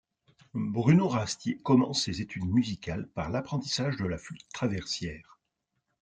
Bruno Rastier commence ses études musicales par l'apprentissage de la flûte traversière.